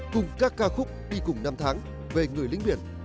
cùng các ca khúc đi cùng năm tháng về người lính biển